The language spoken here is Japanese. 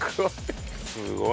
すごい。